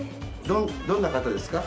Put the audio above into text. どんな方ですか？